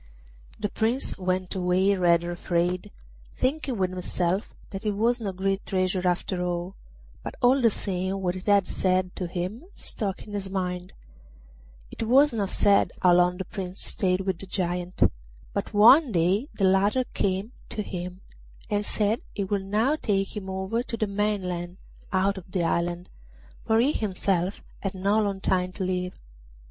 The Prince went away rather afraid, thinking with himself that it was no great treasure after all; but all the same what it had said to him stuck in his mind. It is not said how long the Prince stayed with the Giant, but one day the latter came to him and said he would now take him over to the mainland out of the island, for he himself had no long time to live.